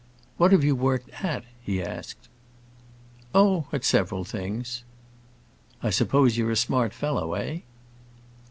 "What have you worked at?" he asked. "Oh, at several things." "I suppose you're a smart fellow, eh?"